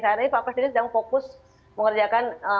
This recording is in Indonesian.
tadi pak presiden sedang fokus mengerjakan perbincangan